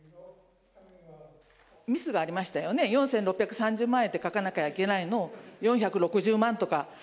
ミスがありましたよね、４６３０万円って書かなきゃいけないのを４６０万円とか。